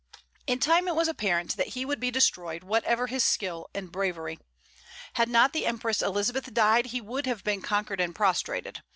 In time it was apparent that he would be destroyed, whatever his skill and bravery. Had not the Empress Elizabeth died, he would have been conquered and prostrated.